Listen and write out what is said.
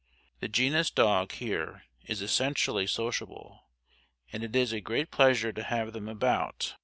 The genus dog here is essentially sociable, and it is a great pleasure to have them about.